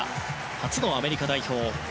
初のアメリカ代表。